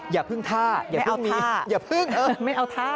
อย่าพึ่งท่าอย่าพึ่งไม่เอาท่า